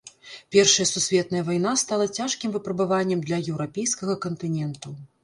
Першая сусветная вайна стала цяжкім выпрабаваннем для еўрапейскага кантыненту.